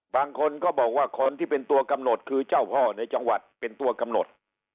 บางคนก็บอกว่าคนที่เป็นตัวกำหนดคือเจ้าพ่อในจังหวัดเป็นตัวกำหนด